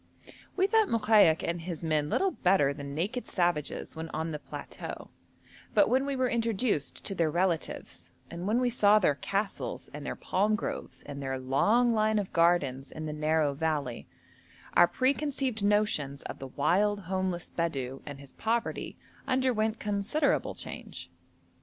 We thought Mokaik and his men little better than naked savages when on the plateau, but when we were introduced to their relatives, and when we saw their castles and their palm groves and their long line of gardens in the narrow valley, our preconceived notions of the wild homeless Bedou and his poverty underwent considerable change.